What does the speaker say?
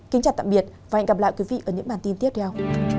kính chào tạm biệt và hẹn gặp lại quý vị ở những bản tin tiếp theo